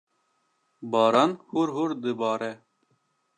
Baran hûrhûr dibare.